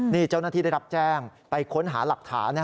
นี่เจ้าหน้าที่ได้รับแจ้งไปค้นหาหลักฐาน